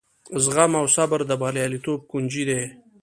زغم او صبر د بریالیتوب کونجۍ ده.